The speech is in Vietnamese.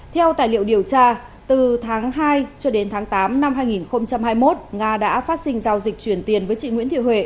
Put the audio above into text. theo tài liệu điều tra từ tháng hai cho đến tháng tám năm hai nghìn hai mươi một nga đã phát sinh giao dịch chuyển tiền với chị nguyễn thị huệ